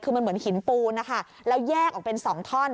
คือมันเหมือนหินปูนนะคะแล้วแยกออกเป็น๒ท่อน